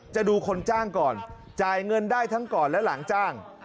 ดูคนจ้างก่อนจ่ายเงินได้ทั้งก่อนและหลังจ้าง